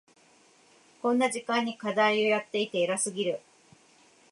こんな時間に課題をやっていて偉すぎる。